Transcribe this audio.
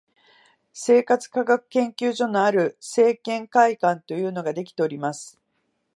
生活科学研究所のある生研会館というのができております